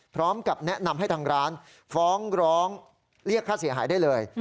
พร้อมกับแนะนำให้ทางร้านฟ้องร้องเรียกค่าเสียหายได้เลย